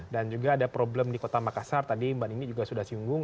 dan juga ada problem di kota makassar tadi mbak nini juga sudah singgung